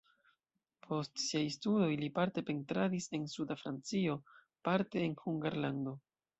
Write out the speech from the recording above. Post siaj studoj li parte pentradis en suda Francio, parte en Hungarlando.